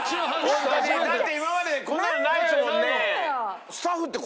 だって今までこんなのないですもんね。